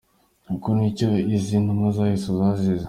Kuko nicyo izi ntumwa za Yesu zazize.